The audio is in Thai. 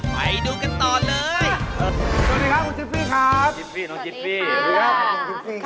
ไปดูกันต่อเลยเออสวัสดีครับคุณเจฟี่ครับสวัสดีค่ะ